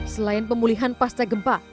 selain pemulihan pasta gempa